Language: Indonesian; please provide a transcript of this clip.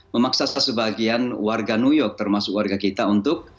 memaksa sebagian warga new york termasuk warga kita untuk